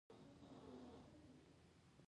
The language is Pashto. بامیان د افغانستان د هیوادوالو لپاره یو لوی ویاړ دی.